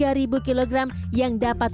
yang dapat mengembangkan